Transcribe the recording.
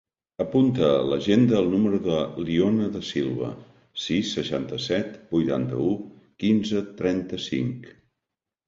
Apunta a l'agenda el número de l'Iona Dasilva: sis, seixanta-set, vuitanta-u, quinze, trenta-cinc.